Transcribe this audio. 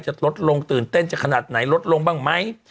จะลดลงตื่นเต้นจะขนาดไหนลดลงบ้างไหม